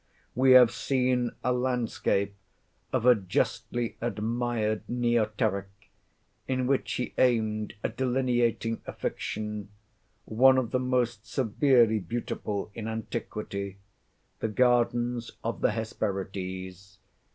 —We have seen a landscape of a justly admired neoteric, in which he aimed at delineating a fiction, one of the most severely beautiful in antiquity—the gardens of the Hesperides.